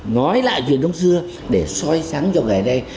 nói lại chuyện xưa để xoay sáng cho ngày nay